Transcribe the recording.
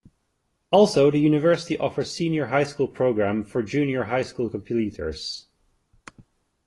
Also, the university offers Senior High School program for Junior High School completers.